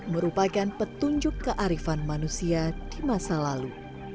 merupakan petunjuk kearifan manusia di masa lalu